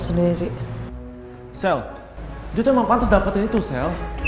sel dia tuh emang pantas dapetin itu sel